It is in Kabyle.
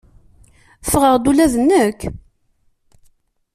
Ffɣeɣ-d ula d nekk.